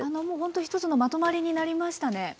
もうほんと一つのまとまりになりましたね。